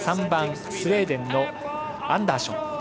３番スウェーデンのアンダーション。